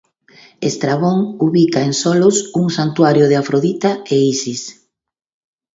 Estrabón ubica en Solos un santuario de Afrodita e Isis.